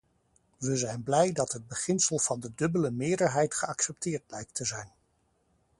We zijn blij dat het beginsel van de dubbele meerderheid geaccepteerd lijkt te zijn.